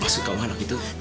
masukkan anak itu